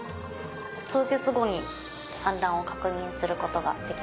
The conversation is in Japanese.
数日後に産卵を確認することができました。